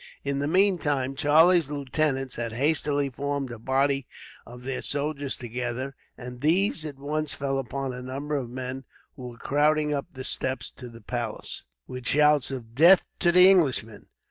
In the meantime, Charlie's lieutenants had hastily formed a body of their soldiers together, and these at once fell upon a number of men who were crowding up the steps to the palace, with shouts of "Death to the Englishman."